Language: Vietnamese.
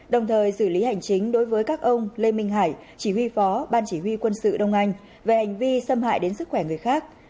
đồng thời xử lý hành chính đối với các ông lê minh hải chỉ huy phó ban chỉ huy quân sự đông anh về hành vi xâm hại đến sức khỏe người khác